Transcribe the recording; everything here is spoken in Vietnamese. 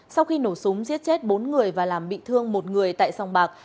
sau khi nổ súng giết chết bốn người và làm bị thương một người tại sòng bạc